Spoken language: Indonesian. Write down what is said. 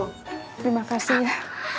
terima kasih ya